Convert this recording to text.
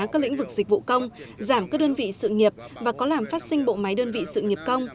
các lĩnh vực dịch vụ công giảm các đơn vị sự nghiệp và có làm phát sinh bộ máy đơn vị sự nghiệp công